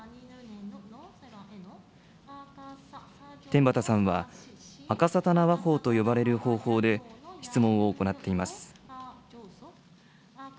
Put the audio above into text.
天畠さんは、あかさたな話法と呼ばれる方法で、質問を行っています。